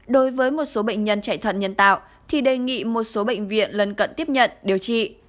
đối với một số bệnh nhân chạy thận nhân tạo thì đề nghị một số bệnh viện lần cận tiếp nhận điều trị